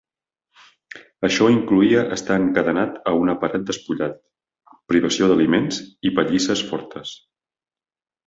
Això incloïa estar encadenat a una paret despullat, privació d'aliments i pallisses fortes.